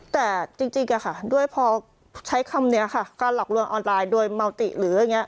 แต่จริงอะค่ะด้วยพอใช้คำนี้ค่ะการหลอกลวงออนไลน์โดยเมาติหรืออย่างนี้